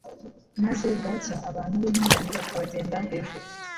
maze bwacya abantu b’intungane bakabagenda hejuru